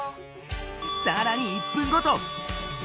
さらに１分ごと！